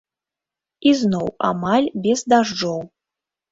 І зноў амаль без дажджоў.